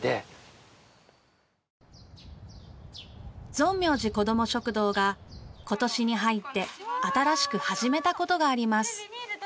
ぞんみょうじこども食堂が今年に入って新しく始めた事があります。